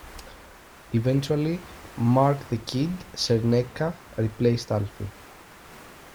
Eventually Mark "The Kid" Cerneka replaced Alfie.